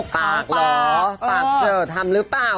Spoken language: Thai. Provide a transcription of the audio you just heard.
ปากเหรอปากเจอทำหรือเปล่า